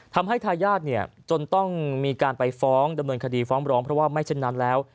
ทายาทเนี่ยจนต้องมีการไปฟ้องดำเนินคดีฟ้องร้องเพราะว่าไม่เช่นนั้นแล้ว